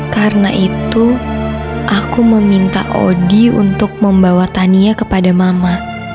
karena itu aku meminta odi untuk membawa tania kepada mama